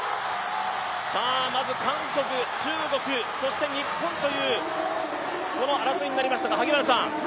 まず韓国、中国、そして日本という争いになりました。